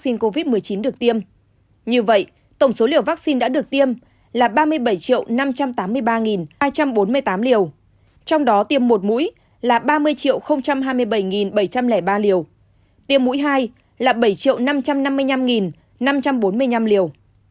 như vậy tổng số liều vaccine đã được tiêm là ba mươi bảy năm trăm tám mươi ba hai trăm bốn mươi tám liều trong đó tiêm một mũi là ba mươi hai mươi bảy bảy trăm linh ba liều tiêm mũi hai là bảy năm trăm năm mươi năm năm trăm bốn mươi năm liều